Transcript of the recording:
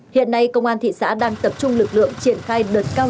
hiện nay công an thị xã đang tập trung lực lượng triển khai đợt cao điểm